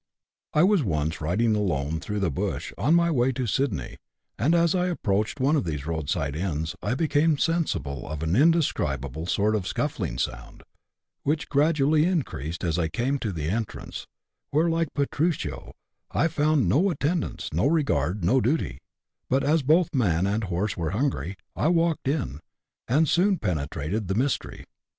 I was once riding alone through the bush, on my way to Sydney, and as I approached one of these road side inns I became sensible of an indescribable sort of scuffling sound, which gradu ally increased as I came to the entrance, where, like Petruchio, I found " no attendance, no regard, no duty ;" but as both man and horse were hungry, I walked in, and soon penetrated the mystery.